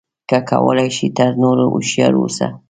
که کولای شې تر نورو هوښیار اوسه.